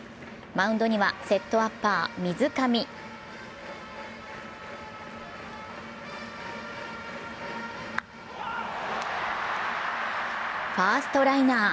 マウンドにはセットアッパー・水上ファーストライナー。